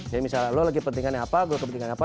jadi misalnya lo lagi kepentingan apa gue kepentingan apa